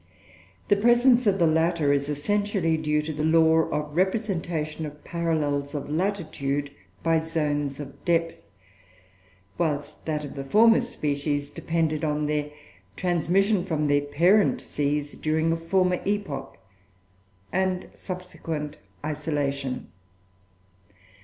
The presence of the latter is essentially due to the law (of representation of parallels of latitude by zones of depth), whilst that of the former species depended on their transmission from their parent seas during a former epoch, and subsequent isolation.